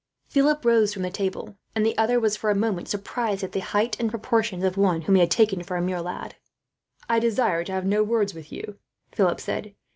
Philip rose from the table; and the other was, for a moment, surprised at the height and proportions of one whom he had taken for a mere lad. "I desire to have no words with you," Philip said.